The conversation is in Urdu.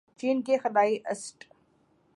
چین کے خلائی اسٹ